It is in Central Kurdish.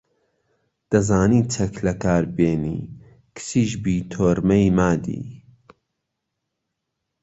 دەزانی چەک لەکار بێنی، کچیش بی تۆرمەی مادی